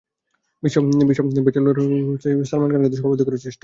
বিশ্ব ব্যাচেলর সংঘ করে সালমান খানকে তার সভাপতি করার চেষ্টা করছি।